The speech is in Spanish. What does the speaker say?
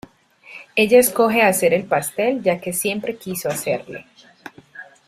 Ella escoge hacer el pastel ya que siempre quiso hacerle.